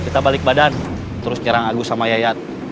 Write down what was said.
kita balik badan terus nyerang aku sama yait